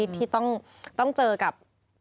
ที่ต้องเจอกับ